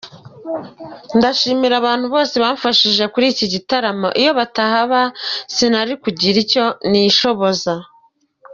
Ndashimira abantu bose bamfashije kuri iki gitaramo iyo batahaba sinari kugira icyo nishoboza”.